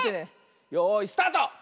よいスタート！